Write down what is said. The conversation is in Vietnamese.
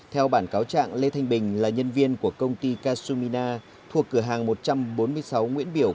theo bản cáo trạng lê thanh bình là nhân viên của công ty casumina thuộc cửa hàng một trăm bốn mươi sáu nguyễn biểu